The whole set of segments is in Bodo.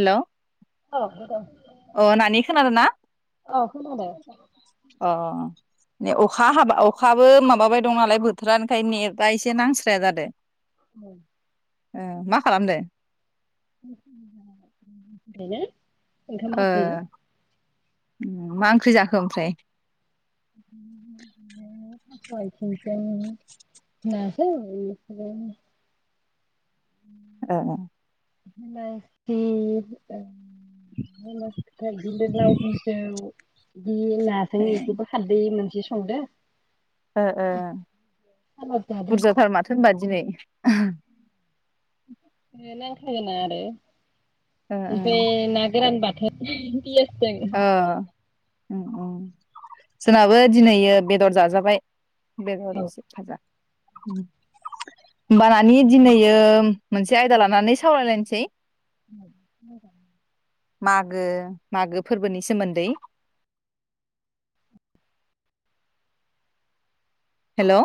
हेल' औ अ नानि खोनादों ना औ खोनादों औ अ ने अखा हाबा अखाबो माबाबाय दं नालाय बोथोरा ओंखायनो नेटा एसे नांस्राया जादों। औ ओ मा खालामदो? [unintelligible] ओंखाम ओ जाखांबाइ? मा ओंख्रि जाखो ओमफ्राय? [unintelligible] ओ ओ [inaudible] [inaudible] बि नाजों इखौबो खारदै बिदि संदो ओ ओ जादों बुरजाथार माथो होनबा दिनै [unintelligible] ओ ओमफाय नागोरान बाथोन [inaudible] ओ उम उम जोंहाबो दिनै बेदर जाजाबाय। [inaudible] औ होनबा नानि दिनैयो मोनसे आयदा लानानै सावरायलायनोसै बे [inaudible] माघो माघो फोरबोनि सोमोन्दै हेलौ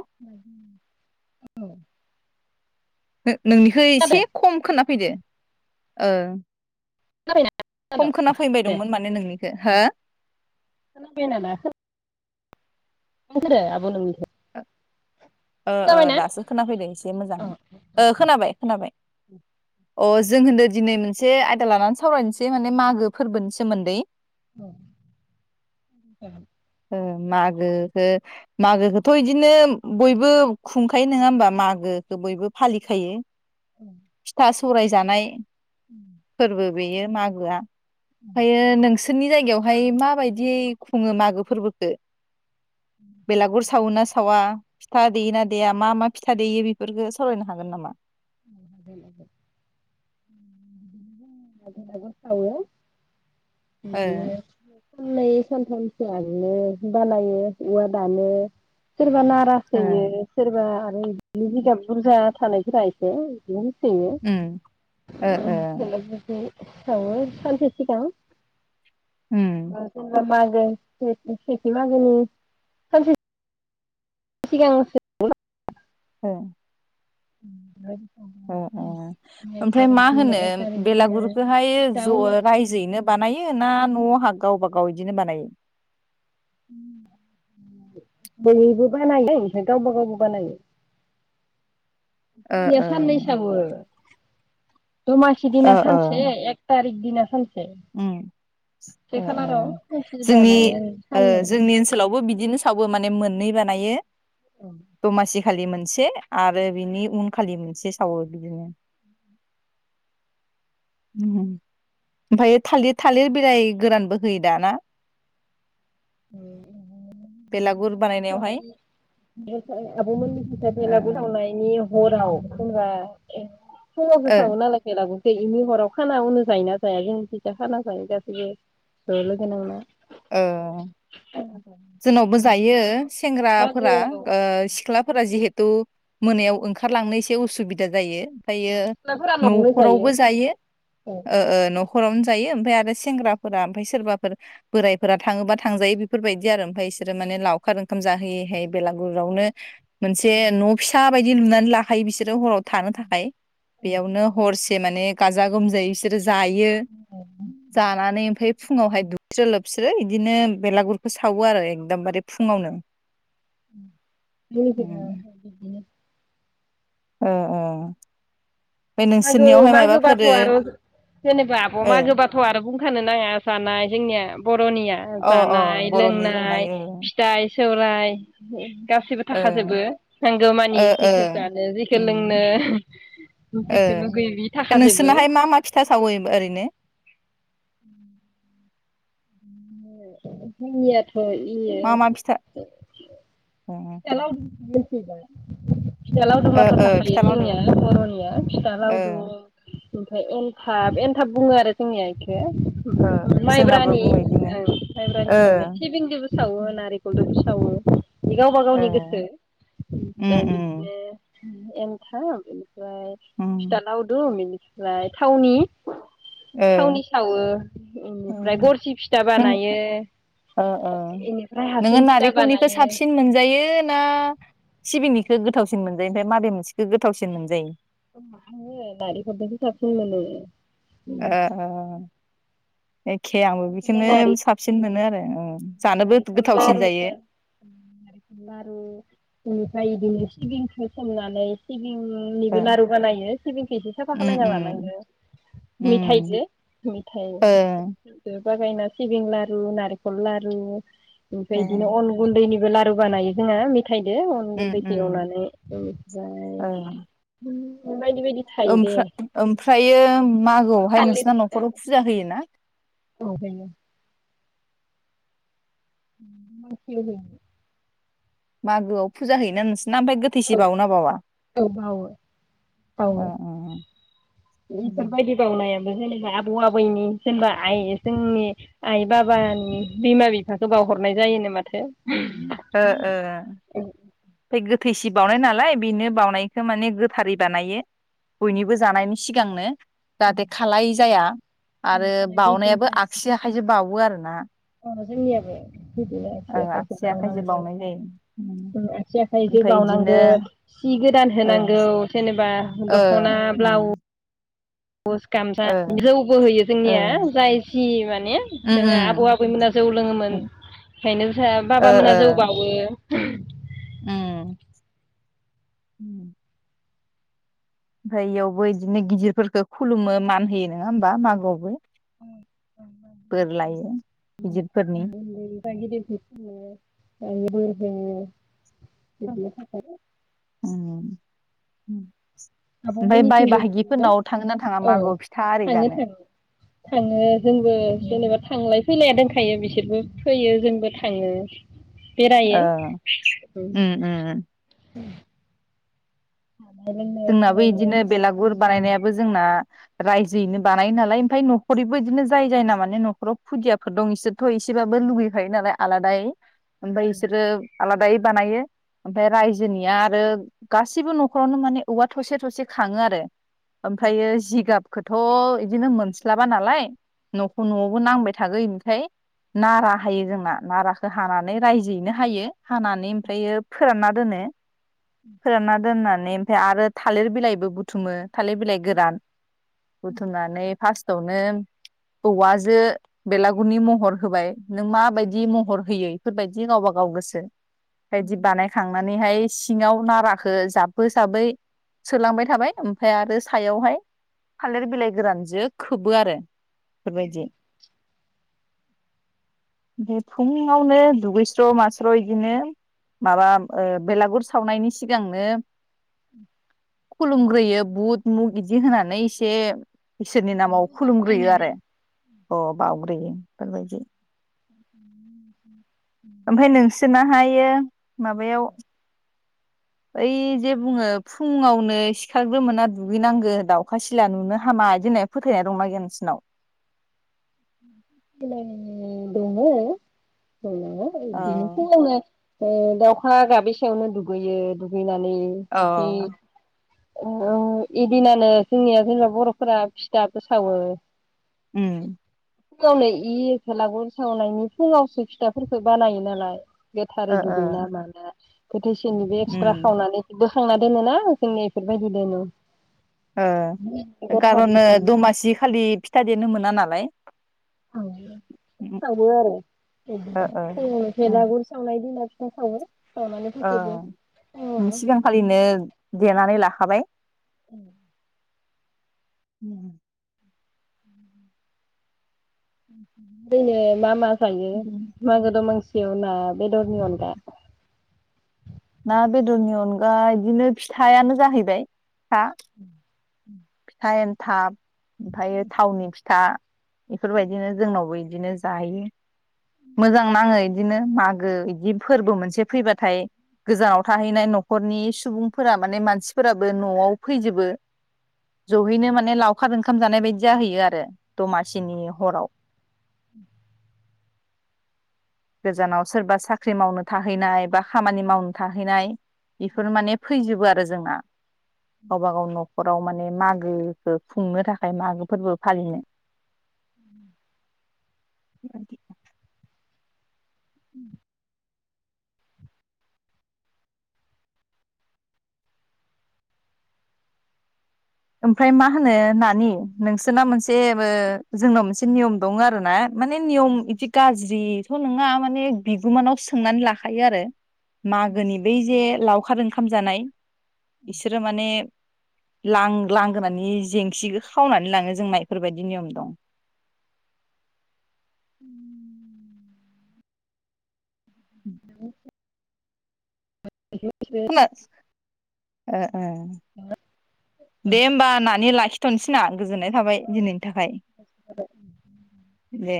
[inaudible] औ नो-नोंनिखौ एसे खम खोना फैदो ओ खोनाबायना खोनादों खम खोना फैबाय दे दंमोन माने नोंनि हो। [unintelligible] [unintelligible] आब' नोंनिखौ ओ ओ खोनाबायना दासो खोनाफैदों एसे मोजाङै ओ खोनाबाय खोनाबाय! अ जों होनदों दिनै मोनसे आयदा लानानै सावरायनोसै माने मागो फोरबोनि सोमोन्दै औ औ ओ मागो हो मागोखौथ' इदिनो बयबो खुंखायो नोङा होमबा मागोखौ बयबो फालिखायो। औ। फराय जानाय फोरबो बे मागोआ ओमफ्रायो नोंसोर। नोंसोरनि जायगायावहाय माबायदि खुङो मागो फोरबोखौ बेलागुर सावोना सावा फिथा देयोना देया मा मा फिथा देयो बेफोरखौ सावरायनो हागोन नामा सावो ओ बिदि नो। साननै सानथामसो आनो बानायो औवा दानो। सोरबा नारास होयो सोरबा आरो बिनो ओ जिगाब बुरजा थानायफोरा एसे बिदिनो होसोयो उम ओ ओ औ सानसे सिगां उम [unintelligible] सेेथि मागिनि सानसे। सिगांसो औ। [unintelligible] अ ओ एक ओमफ्राय थारिख मा दिना होनो एक थारिख दिना बेलागुरखौहाय फिथा ज' रायजोयैनो बानायो ना न'आव हा गाव बागाव बिदिनो बानायो बैबो बानायो ओमफ्राय गावबा गावबो बानायो ओ दया ओ सान नै सावो। द मासदिना ओ ओ सानसे एक तारिख। बिदि उम ओ ओ सानसे जोंनि बानायो आरो ओ जोंनि ओनसोलावबो बिदिनो सावो माने मोन नै बानायो। दमासि खालि मोनसे आरो बिनि उन खालि मोनसे सावो बिदिनो। ओमफाय थालिर थालिर बिलाइ गोरानबो होयो दा ना? [unintelligible] बेलागुर बानायनायावहाय? ओ बेलागुर सावनायनि। हराव फुङा फुुङावसो ओ सावो नालाय बेलागुर बेखिनि हराव खाना उन जायोना जाया नोंसिनिथिं खाना जायो गासिबो ज लोगो नांनानै। ओ जोंनावबो जायो मागोआव सेंग्राफोरा सिख्लाफोरा जिहेतु थु मोनायाव ओंखारलांनो एसे उसुबिदा जायो ओमफ्रायो सिख्लाफोरा न'आवनो न'खरावबो औ जायो ओ ओ हरावनो जायो ओमफ्राय आरो सेंग्राफोरा ओमफ्राय सोरबाफोर बोराइफोरा थाङोबा थांजायो बेफोर बायदि आरो ओमफ्राय बिसोरो माने लावखार ओंखाम जाहोयैहाय बेलागुरियावनो मोनसे न फिसा बायदि लुनानै लाखायो बिसोर। रो हराव थानो थाखाय बेयावनो हरसे माने गाजा गोमजायै बिसोरो जायो जानानै ओमफ्राय फुङावहाय दुग स्रो लोबस्रो बिदिनो बेलागुरखौ सावो आरो एकदमबारे फुङावनो। उम [unintelligible] ओ ओ बे मागो नोंसोरनियावहाय माबाफोर मागोबाथ आरो जेनेबा आब ओ मागोबाथ आरो गु फाननो नाङा जानाय जोंनिया। बरनिया अ अ जानाय बर'नि जानाय लोंनाय ओ फिथाइ सौराय गासिबो ओ थाखाजोबो नांगौ ओ मानि ओ जिखौ जानो जिखौ उम लोंनो। जिखौ लुगैयो बि ओ थाखाजोबो नोंसोरनाहाय मा मा फिथा सावो ओरैनो? जोंनियाद उम मा मा फिथा इयो ओ [inaudible] फिथा लावदुमा ओ ओ थाथारखायो फिथा लावदुम जोंनिया बर'निया फिथा ओ लावदुम ओमफ्राय एनथाब एनथाब बुङो आरो जोंनिया ओ जोंनाबो माइब्रानि बुङो इदिनो ओं ओ [unintelligible] सिबिंदोबो सावो नारेंखलदो सावो। गावबा ओ गावनि गोसो उम ओमफ्राय उम बिदिनो एमथाब इनि इनिफ्राय उम फिथा लाउदुम इनि फ्राइ थावनि ओ थावनि सावो इनिफ्राय उम गरसि फिथा नों बानायो। ओ ओ बेनिफ्राय नोङो हासुं फिथा नारेंखलनिखौ बानायो साबसिन मोनजायो ना सिबिंनिखो गोथावसिन मोनजायो ओमफ्राय माबे मोनसेखौ गोथावसिन मोनजायो? मा होनो गारिफोरदोसो साबसिन मोनो। ओ बिदिनो एख खे आंबो बेदिनो नारि साबसिन मोनो आरो ओम जानोबो नारेंखल गो-गोथावसिन जायो। लारुफोर ओमफ्राय इदिनो सिबिंखौ सोमनानै सि सिबिंनिबो ओ लारु बानायो सिबिंखो एसे साफा उम खालायना उम लानांगो उम मिथाइजों मिथाइ ओ [unintelligible] सिबिं लारु नारेंखल लारु ओमफ्राय ओ इदिनो अन गुन्दैनि लारु बानायो जोङा फायदो अन उम गुन्दैखौ उम एवनानै इनिफ्राय [inaudible] ओमफ्रा-ओमफ्रायो मागोआवहाय नोंसिना न'खराव फुजा होयोना? औ होयो। [unintelligible] मागोआव फुजा होयोना नोंसि ओ औ बावो ओ बावो ओ इफोरबायदि बावनाया जेनेबा आबौ आबैनि जेनेबा आइ जोंनि आइ बाबानि बिमा बिफाखौ बावहरनाय जायोनो माथो? ओ ओ [unintelligible] थैसि बावनाय नालाय बेनो बावनायखौ माने गोथारै बानायो। बयनिबो जानायनि सिगांनो जाहाथे खालाय जाया आरो बाउनायाबो आगसि आखाइजो बावो आरोना? अ जोंनियाबो बिदिया ओ आगसि आखाइजों बावनांगो बावनाय जायो उम आगसि आखाइजों ओमफ्राय इदिनो बावनांगोन सि गोदान ओ होनांगौ जेनेबा ओ दख'ना ब्लाउस उम [unintelligible] इनिफ्राय ओ जौबो होयो ओ जोंनिया जाय जि माने जोंहा आबौ उम आबैमोना जौ लोङोमोन, उम ओंखायनो जाहा ओ ओ बाबामोनहा जौ बावो। उम । उम। ओमफाय इयावबो इदिनो गिदिरफोरखौ खुलुमो मान होयो नोङा होमबा मागोआवबो। [unintelligible] बोर लायो गिदिरफोरनि [unintelligible] बिदिनो थाखायो। उम ओमफ्राय बाय आबमोननिथिंबो बिदिनोबा बाहागिफोरनाव थाङो ना थाङा औ मागोआव फिथा आरि थाङो जानो थाङो थाङो जोंबो जेनेबा थांलाय। फैलाया दोनखायो बिसोरबो फैयो जोंबो थाङो। बेरायो ओ औ। उम उम दोंनाबो खालायो इदिनो बेलागुर बानायनायाबो जोंना रायजोयैनो बानायो नालाय ओमफाय नखरैबो इदिनो जाय जाय ना माने न'खराव फुदियाफोर दं इसोरथ' एसेबाबो लुगैखायो नालाय आलादायै। ओमफाय इसोरो आलादायै बानायो ओमफाय रायजोनिया आरो गासिबो नखरावनो माने औवा थसे थसे खाङो आरो। ओमफायो जिगाब। खौथ इदिनो मोनस्लाबा नालाय नखौ नआवबो नांबाय थागो इनखाय। नारा हायो जोंना। नाराखो हानानै रायजोयैनो हायो हानानै ओमफ्राययो फोरानना दोनो। फोरानना दोनना [unintelligible] फ्राय आरो थालिर बिलाइबो बुथुमो। थालिर बिलाइ गोरान बुथुमनानै फास्ट खौनो औवाजो बेलागुरनि महर होबाय। नों माबायदि महर होयोय फोरबायदि गावबा गाव गोसो । बायदि बानायखांनानैहाय सिङाव नाराखौ जाबबो थाबै। सोलांबाय थाबाय ओमफाय आरो सायावहाय थालिर बिलाइ गोरानजो खोबो आरो फोरबायदि। बे फुङावनो दुगैस्र मास्र इदिनो माबा ओ बेलागुर सावनायनि सिगांनो उम । खुलुमग्रोयो बुद मुग इदि होनानै इसे। इसोरनि नामाव खुलुमग्रोयो आरो अ बावग्रोयो। फोरमायोदि ओमफ्राय नोंसोरनाहायो माबायाव बै जे बुङो फुङावनो सिखारग्रोमोना दुगैनांगो दाउखा सिला नुनो हामा इदि होननाया फोथायनाया दंना गैया नोंसिनाव? दंङ [unintelligible] औ एदिनो फुङावनो दाउखा गाबिसायावनो दुगैयो दुगैनानै औ [inaudible] औ इदिनानो जोंनिया जेनेबा बर'फोरा फिथाबाबो सावो उम गावनो इ बेलागुर सावनायनि फुंङावसो फिथाफोरखौ बानायो नालाय गोथारै ओ ओ दुगै ना माना थैसेनि बे उम एक्सट्रा खांनानै थांना दोनो ना जोंनि बेफोरबायदि दोनो ओ कार'नो गोथारैसो दमासि खालि फिथा देनो मोना नालाय [unintelligible] सावो आरो ओ बिदिनो ओ फुङावनो भेलागुर सावनाय दिनाव बेखावो औ सिगांखालिनो देनानै ला हाबाय औ । [unintelligible] ओरैनो मा मा थायो मागो दमांसि जेवना बेदरनि अनगा ना बेदरनि अनगा बिदिनो फिथाइानो जाहैबाय फा [inaudible] फिथा एनथाब ओमफायो थावनि था बेफोरबायदिनो जोंनावबोदि बिदिनो जायो मोजां नाङो इदिनो मागो बिदि फोर्बो मोनसे फैबाथाय गोजानाव थाहैनाय नखरनि सुबुंफोरा माने मानसिफोराबो नआव फैजोबो जहैनो माने लावखार ओंखाम जानाय बायदि जाहैयो आरो दमासिनि हराव गोजानाव सोरबा साख्रि मावनो थाहैनाय बा खामानि मावनो थाहैनाय बेफोर माने फैजोबो आरो जोंना गावबा गाव नखराव मान मागोनिखो खुंनो थाखाय मागो फोर्बो फालियो [unintelligible] [unintelligible] उम ओमफाय मा होनो नानि नोंसोरना मोनसे बो जोंनाव मोन मोनसे नियम दं आरोना माने नियम बिदि गाज्रिथ' नङा माने बिगुमानाव सोंनानै लाखायो आरो मागोनि बै जे लावखार ओंखाम जानाय इसोरो माने लां लांगोनानि जेंसिखौ खावनानै लाङो जोंना बेफोरबायदि नियम दं। [inaudible] खोना [unintelligible] ओ अ दे ओमबा नानि लाखि थनसैना गोजोननाय थाबाय दिनैनि थाखाय दे